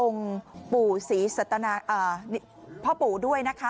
องค์ปู่ศรีสัตนาอ่าพ่อปู่ด้วยนะคะ